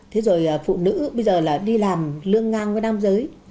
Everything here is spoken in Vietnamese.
thế rồi phụ nữ bây giờ là đi làm lương ngang với nam giới